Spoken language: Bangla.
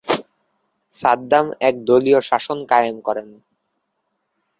সাদ্দাম এক দলীয় শাসন কায়েম করেন।